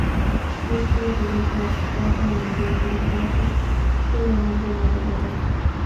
Whitley regresa a su casa a enviar los datos que le han ordenado borrar.